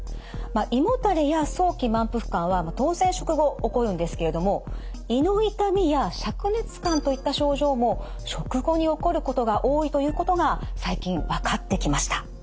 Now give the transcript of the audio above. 胃もたれや早期満腹感は当然食後起こるんですけれども胃の痛みやしゃく熱感といった症状も食後に起こることが多いということが最近分かってきました。